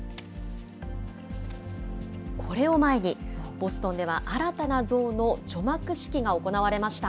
これを前に、ボストンでは新たな像の除幕式が行われました。